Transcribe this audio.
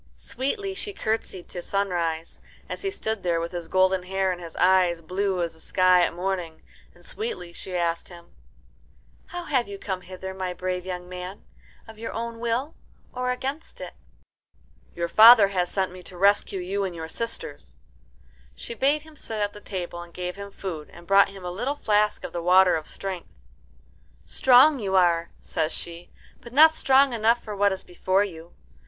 Sweetly she curtsied to Sunrise, as he stood there with his golden hair and his eyes blue as the sky at morning, and sweetly she asked him, "How have you come hither, my brave young man of your own will or against it?" "Your father has sent to rescue you and your sisters." She bade him sit at the table, and gave him food and brought him a little flask of the water of strength. "Strong you are," says she, "but not strong enough for what is before you.